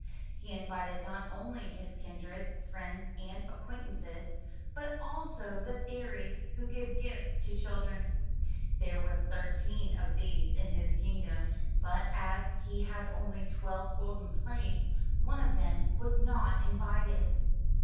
He invited not only his kindred, friends and acquaintances, but also the fairies who give gifts to children. There were thirteen of these in his kingdom, but as he had only twelve golden plates, one of them was not invited.